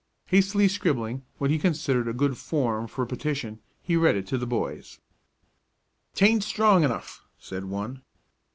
Hastily scribbling what he considered a good form for a petition, he read it to the boys. "'Taint strong enough," said one.